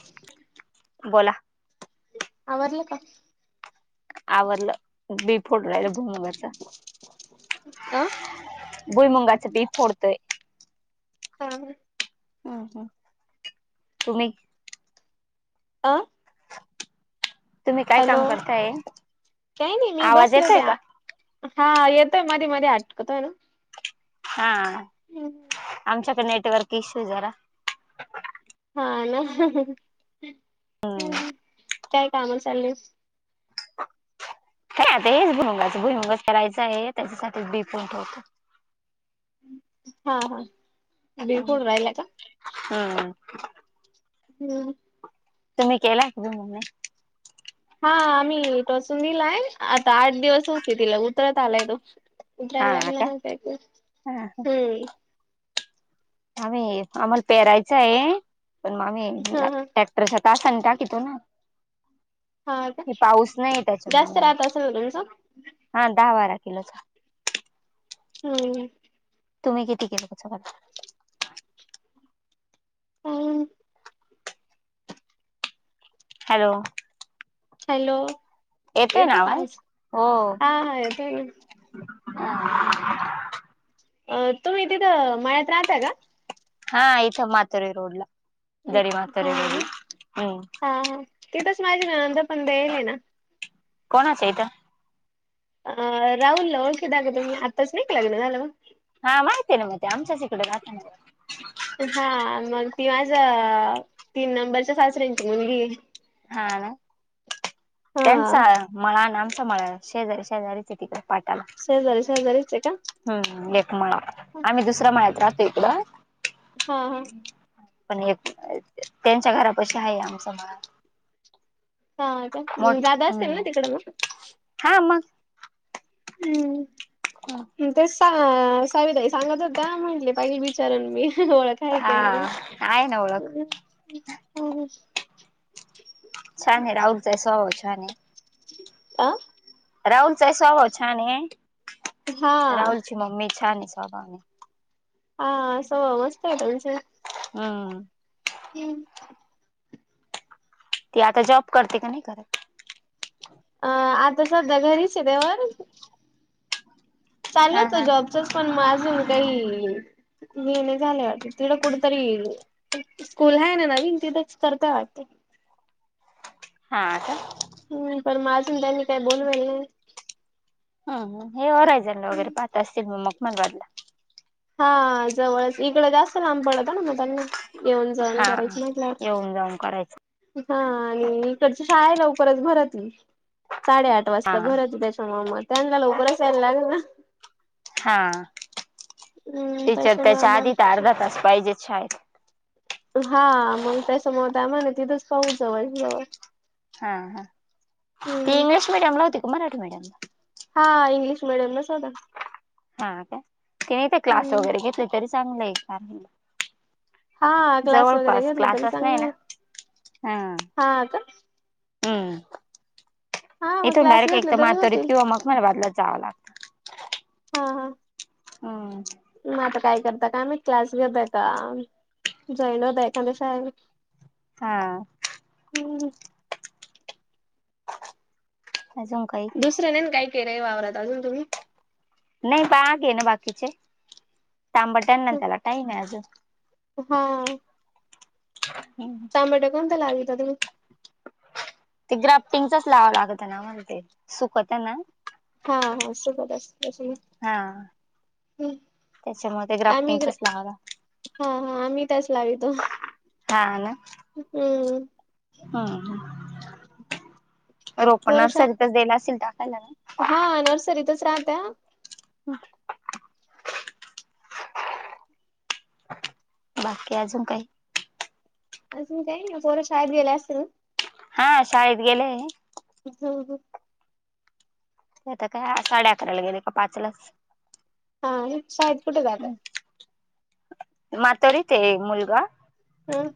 अ...... अ बोला आवरलं का आवरलं बी फोडू राहिल भूईमुगाच अ भुईमुगाचे बी फोडतोय हा हम् हम् तुम्हीं अं तुम्ही काय हॅलो काम करताय काही नाही मी आवाज बसले होते येतोय का आ हा येतोय मध्ये मध्ये अटकतोय ना हा आमच्याकडे नेटवर्क इश्यू जरा हा ना हंं हम्म हं काय काम चालले काही नाही ते भुईमूग करायचे भुईमुगाच्या त्याचा साठी बी फोडत होतो हा हा बी फोडू राहिल्या का हम् हम्म तुम्ही केला का भुईमूग ला हा आम्ही इटसून दिलाय आता आठ दिवस होते तिला उतरत आलाय तो हा इ्रलगलागले का ना हा हम्म आम्ही आम्हाला पेरायचं हे पण आम्ही हा प्रशांत आसन टाकी तो ना हा आता हे पाऊस नाही जास्त त्याच्यामुळं. राहत असेल हो तुमचं हा दहा बारा किलोच हम् तुम्ही किती किलोच करता हॅलो हॅलो येतोय ना येतो का आवाज हो हा हा येतोय ना अ तुम्ही तिथं मळ्यात राहताका हा इथ मातोरे रोडला दरी मातोरे हा ना रोडला हम्म हा हा तिथंच माझी ननंद पण देल ना कोणाच्या तिथं अ राहूनला ओळता का तुम्ही आत्ताच नाही का लग्न झालं बघ हा माहिती ना आमच्या इकडे राहताना हा मग ती माझ्या तीन नंबरच्या सासऱ्यांची मुलगी हे हा ना हा त्यांचा नम आणा सांभाळाला शेजारी शेजारीच तिकडे पाठाला शेजारी शेजारीच का हम् एक मळा हा आम्ही दुसऱ्या मळ्यात राहतो इकडं हा हा पण एक त्यांच्या घरापाशी आहे आमचा मळा हा का मोठ जादा असतील ना हम्म तिकडं मग? हा मग हुं तेच सावी ताई सांगत हो का म्हटले पहिली विचारन मी ओळख आहे हा का नाही. आहे ना ओळख [unintelligible] छान हे राहुलचा ही स्वभाव छान आहे. आ राहुलचाही स्वभाव छान आहे, हा राहुलची मम्मी छान आहे स्वभाव आहे. हा स्वभाव मस्त आहे त्यांचा हुं ती आता जॉब करते की नाही करत? अ आता सध्या घरीच आहे देवर चालू हा होत हा जॉबचच पण अजून काही मिळेना झालंय वाटतं तिकडं कुठं तरी येईल स्कूल हाय ना नवीन तिथेच करते वाटते. हा आता हुं पण अजून त्यांनी काही बोलवायलं नाही. हुं हे रायजण वगैरे पाहत असतील मग मग मंगदला हा जवळच इगडं जास्त लांब पडतं ना मग त्यांना येऊन जाऊन हा करायची येऊन जाऊन करायचं म्हटल्यावर हा आणि इकडची शाळा लवकरच भरती साडेआठ हा वाजता घराच त्याच्यामूळ त्यांना लवकरच यायला लागेल ना. हा हम्म टीचर त्याच्यामुळे त्याच्या आधी तर मग अर्धा तास पाहिजेत शाळेत हा मग त्याच्यामुळं ना तिथंच पाहू जवळच्या जवळ हा हा ती हम्म इंग्लिश मिडियम ला होती का मराठी मिडियम ला? हा इंग्लिश मीडियम न साधा हा काय तिनी ते क्लास हम्म वगैरे घेतली तरी चांगलं आहे का हा क्लास वगैरे जवळपास घेतलं तरी क्लासच नाही आहे चांगलं ना हा हुं हा मग इथून क्लास डायरेक्ट एक घेतले तर तरी मातोरीत होतील किंवा मग मलबादला जावं लागत. हा हा हो मग आता काय करता काय माहित क्लास घेतंय का जॉईन होतय हा [unintelligible] अजून काही दुसरं नाही न काय केलंय वावरत अजून तुम्ही? नाही बाग ये ना बाकीचे तांबट आहे ना त्याला काही नाही अजून हा [unintelligible] टोमॅटो कोणता लाविता तुम्ही? ते ग्राफ्टिंगचच लावंव लागतं ना म्हण ते सुकत ना हा हा सुकत असत हा हम् त्याच्यामुळे ते ग्राफ्टिंगच लावला हा हा आमी तेच लावीतो हुं हा हा रोपं पोरं शा नर्सरीतच देला असेल टाकायला ना हा, नर्सरीतच राह त्या, [unintelligible] बाकी अजून काही, अजून काही नाही, पोरं शाळेत गेले असतील ना? हा शाळेत गेले. हो, आता काय साडे अकराला गेले की, पाचला च, हा, हे शाळेत कुठे जातात? मातोडीत ते मुलगा, हम,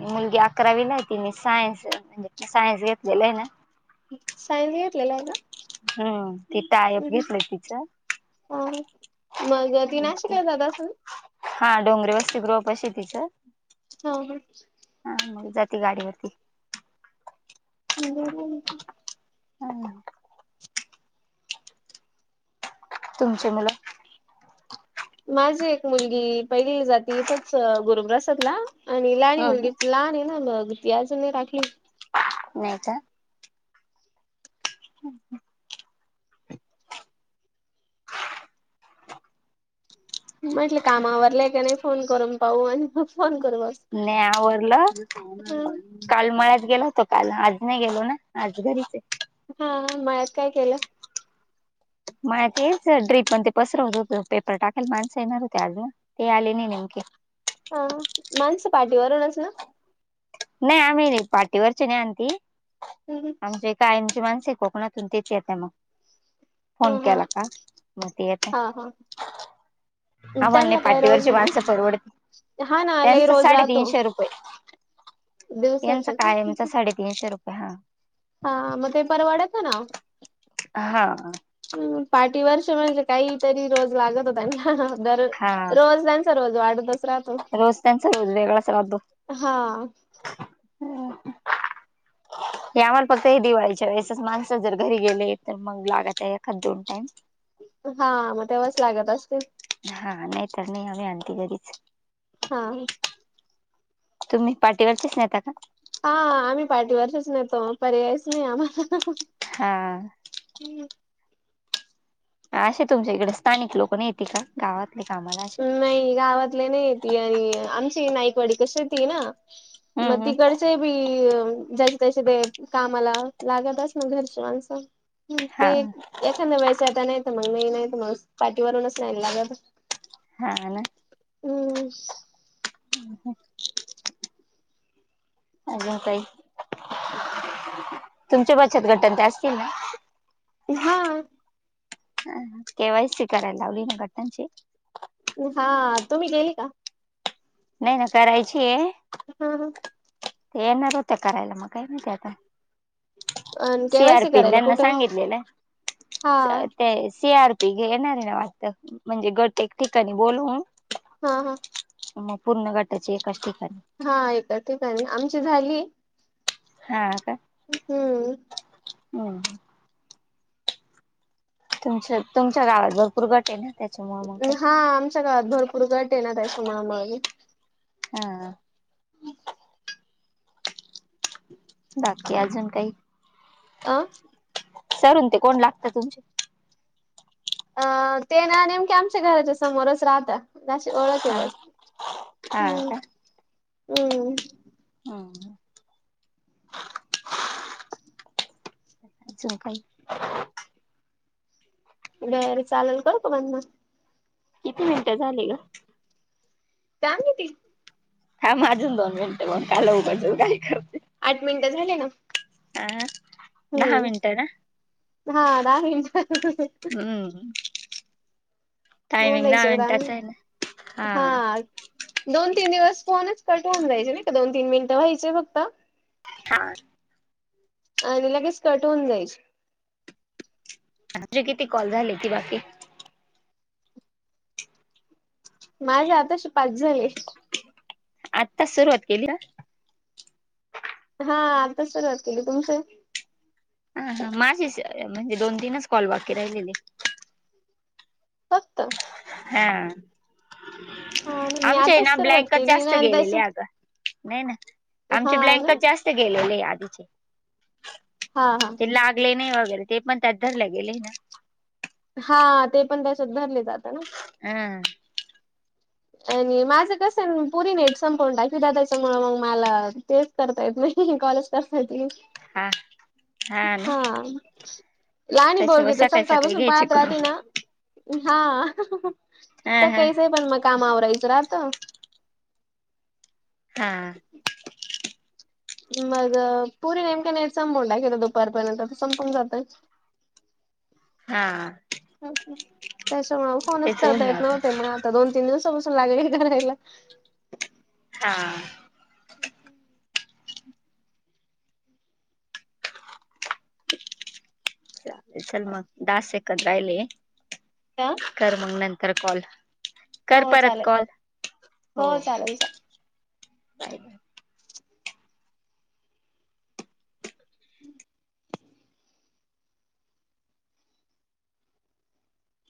मुलगी अकरावी ला तेणे, सायन्स, सायन्स घेतलेला आहे. ना, सायन्स, घेतलेलं आहे का? हम्म ती टायप घेतलं तिचं हो मग, ती नाशिकला जात असल, हा डोंगरीे वस्तती गृह पाशी हित, हो, हा मग जाते गाडीवरती, हम्, [unintelligible] तुमचे मुल, माझी एक मुलगी पहिली जाती, गुरुग्रसातला आणि लाणी हम्म मुलगी लहान आहे. ना बघ ती अजून नाही टकली नाही का, [unintelligible] म्हटलं कामा आवरलं की ल का नाही ते, फोन करून पाहू आणि मग फोन करू बत नाय आवरला, काल मळ्यात गेलो होतो. काल आज नाही गेलो ना, आज घरीच आहे. हा, मळ्यात काय केलं? म तेच ड्रीप पण ते पसरवत होत, पेपर टाकायला माणसं येणार होते. आजना, ते आले नाही. नेमके, हा माणसं, पाठीवरूनच ना, नाही आम्ही नाही पाठीवरचे नाही, आणती आमच्या कायमची मानसिकआहेत, कोकना तून त्याची आहेेत मग. हा फोन हा केला का, मग ते येतात. हा हा. आ म्हण नाही त्यांना काय रोज पाटीवरची आहे मग माणसं, परवड हा ना लई त्यांचं रोज राहतो साडेतीनशे रुपये, यांचं दिवसाचे का? कायमचा, साडेतीनशे रुपये हा, हा, म ते परवाडाचा ना, हा, ह पाठी वर्ष म्हणजे, काहीतरी रोज लागत. हो त्यांना दर हा रोज त्यां सर्वज वाढतच राहतो. रोज त्यांचा [unintelligible] वेगळा अस करतो. हा, ते आम्हाला फक्त हे दिवाळीच्यासच माणस, जर घरी गेले तर मग लागचा एखाद दोन टाइम, हा मग तेव्हाच, लागत असतील. हा नाही तर नाही, आम्ही आणती घरीच, हा, तुम्ही पाठीवरचेच नेता का? हा आम्ही पाठीवरषच, नेतो पर्यायच नाही. आम्हाला, हा, [unintelligible] असे तुमच्या इकडे स्थानिक लोक नाहीेततील का गावात कामाला असे नाही गावातले नाही ती आणि आमची नाईकवाडी कशी ती ना मग हम्म हम्म तिकडचे ज तसे ते कामाला लागतच. ना घरच्यावांस हा ते एखादा वेस आता नाही. तर मग नाही नाहीत मग पाठीवरूनच नाहीला लागत हा आणि हम् अजून काई तुमच्या बचत घटन ते असतील ना हा ह के वयस शिकलालीन घट्टनची हा तु्ही गेली का नाही ना करायची आहे हम ते येणार होत्या करायला मग काही माती आता अन सी आर केवायसी पी करायला त्यांना कुठं? सांगितलेलं हा ते सी आर पी घेणार आहे ना वाटत म्हणजे गटेक ठिकाणी बोलून हा हा मग पूर्ण गटाचे एकाच ठिकाणी हा एकऐ ठीिकणी आमची झाली हा हम्म हम तुमच्या तुमच्या गावात भरपूर गटेन हा आमच्या गावात भरपूर गट येणारस म्हणामुळे मी हा बाकी अजून काही अ सरून ते कोण लागत तुमचे अ ते ना नेमके आमच्या घराच्या समोरच राहत नाश ओळक हा बस्त हम्म का? हम्म ह जफय बर चालेल कात बण ना किती मिनिटं झाली ग काग त हा माजून दोन मिनटे मग काल उघजऊ काही करते आठ मिनिटं झाले ना आं दहा हम्म मिनट ना हा दहा मिनिटं हम्म टायमिंग होनई दहा शक मिनिटाच आहे ना? हा दोन तीन दिवस फोनच कट होऊन जायचे नाही का दोन तीन मिनिटं व्हायचेय फक्त हा आणि लगेच कट होऊन जायची आे किती कॉल झाली ती बाकी माझे आताश पाच झाले आत्ताच सुरुवात केली का हा आता सुरुवात केली तुमचे हा ह माझी म्हणजे दोन तीनच कॉल बाकी राहिलेली फक्त हा. हा मी आमच्या आताच ना, सुरुवात ब्लँकच केली ना जास्त आणि त्याच गेलेले अगं. नाही ना. आमचे हा ना ब्लँकच जास्त गेलेले, आधीचे. हा, हा. [unintelligible] वगैरे. ते पण त्यात धरलं गेले ना. हा, ते पण त्याच्यात धरले जात ना. [unintelligible] आणि माझं कस, पुरी नेट संपवून टाकीदा त्याच्यामुळं मग मला, तेच करता येत नाही. [unintelligible] कॉलच करता येत. हा हा. लाणी त्याच्यावर बोरगी तर, सकाळी सकाळ सकाळी बसून घ्यायचे पात करून राहती ना. हा [unintelligible] हा हा पण मग काम आवरयचं राहत. हा. मग, पुरी नेमक नेट संपून टाकित, दुपारपर्यंत. संपून जातय. हा [unintelligible] त्याच्यामुळं, फोनच तेच होऊन करता येत जात नव्हते. म ता. दोन- तीन दिवसापासून लागलेय, करायला. हा. [inaudible] [unintelligible] चल मग दा सेकंद राहिले [unintelligible] कर मग नंतर कॉल. कर हो परत चालेल कॉल. हो. चालेल चालेल. [unintelligible] [inaudible]